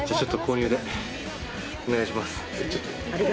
お願いします。